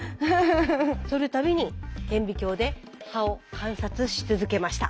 そる度に顕微鏡で刃を観察し続けました。